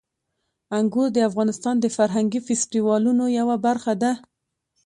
انګور د افغانستان د فرهنګي فستیوالونو یوه برخه ده.